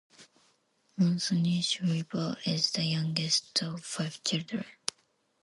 Anthony Shriver is the youngest of five children.